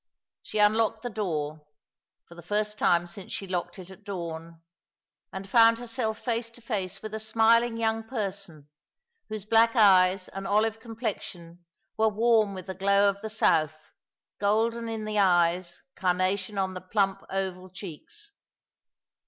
! She unlocked the door, for the first time since she locked it at dawn,' and found herself face to face with a smiling young person, whose black eyes and olive complexion were warm with the glow of the south, golden in the eyes, carnation on the plump, oval cheeks.